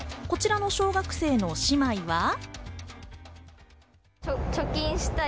こちらの小学生の姉妹は。